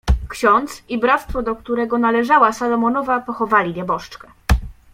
"Ksiądz i bractwo, do którego należała Salomonowa, pochowali nieboszczkę."